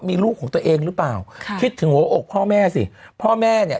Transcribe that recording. มีลูกของตัวเองหรือเปล่าค่ะคิดถึงหัวอกพ่อแม่สิพ่อแม่เนี่ย